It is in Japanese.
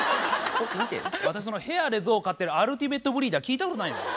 あたしその部屋で象飼ってるアルティメットブリーダー聞いたことないですよ。